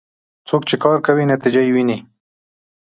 څوک چې کار کوي، نتیجه یې ويني.